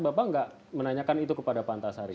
bapak nggak menanyakan itu kepada pak antasari